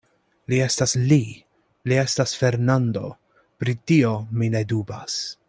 Li estas Li; li estas Fernando; pri tio mi ne dubas.